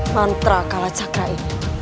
mantra kalacakra ini